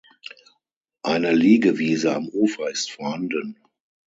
Eine Liegewiese am Ufer ist vorhanden.